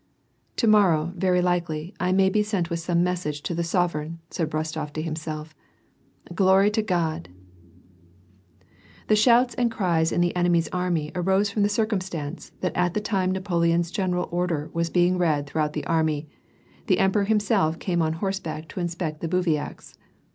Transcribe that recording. "To morrow, very likely, I may be sent with some message to the sovereign," said Rostof to himself. " Glory to God !" The shouts and cries in the enemy's army arose from the circamstance that at the time Napoleon's general order was being read throughout the army, the emperor himself came on horseback to inspect the bivouacs.